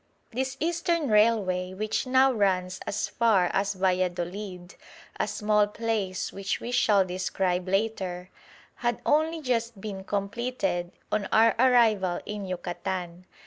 This eastern railway, which now runs as far as Valladolid a small place which we shall describe later had only just been completed on our arrival in Yucatan.